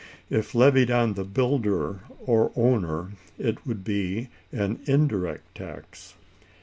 If levied on the builder or owner, it would be an indirect tax.